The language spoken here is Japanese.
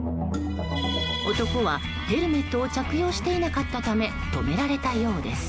男はヘルメットを着用していなかったため止められたようです。